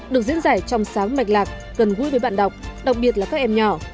được diễn giải trong sáng mạch lạc gần gũi với bạn đọc đặc biệt là các em nhỏ